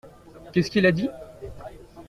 Qu’est-ce qu’il a dit ?